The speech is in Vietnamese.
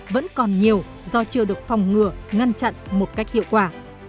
vẫn còn nhiều do chưa được phòng ngừa ngăn chặn một cách hiệu quả